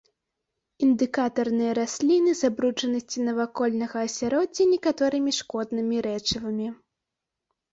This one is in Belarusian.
Індыкатарныя расліны забруджанасці навакольнага асяроддзя некаторымі шкоднымі рэчывамі.